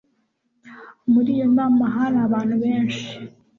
muri iyo nama hari abantu benshi